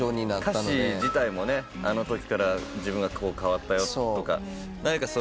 歌詞自体も「あのときから自分がこう変わったよ」とか。何か。